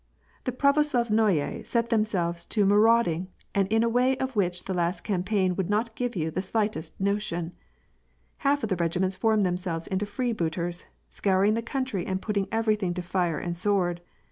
The pravoslavnoye set themselves to ma rauding, and in a way of which the last campaign would not give yon the slightest notion. Half of the regiments form themselves into freebooters, scouring the country and putting everything to fire and sword.